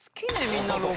みんな６。